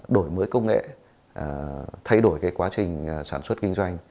đổi mới công nghệ thay đổi cái quá trình sản xuất kinh doanh